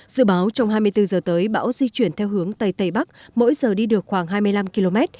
dự báo trong hai mươi bốn giờ tới bão di chuyển theo hướng tây tây bắc mỗi giờ đi được khoảng hai mươi năm km